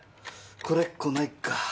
来れっこないか。